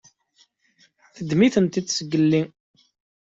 Teddem-itent zgelli.